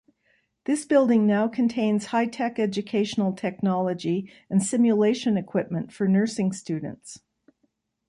This building now contains high-tech educational technology and simulation equipment for nursing students.